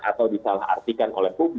atau disalah artikan oleh publik